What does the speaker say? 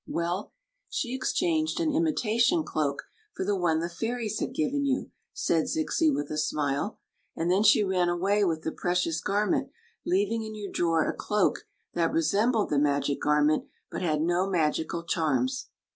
"Well, she exchanged an imitatio i cloak for the one the fairies had given you," said Zixi, with a smile. " And then she ran away with the precious garment, leaving in your drawer a cloak that resembled the magic garment but had no magical charms."